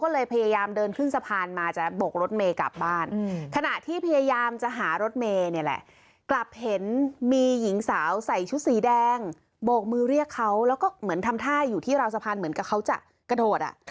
แล้วก็เหมือนทำท่าอยู่ที่ราวสะพานเหมือนกับเขาจะกระโดด